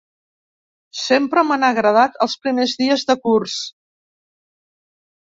Sempre m'han agradat els primers dies de curs.